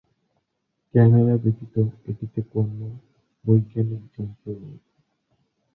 Camera ব্যতীত এটিতে কোনও বৈজ্ঞানিক যন্ত্র নেই।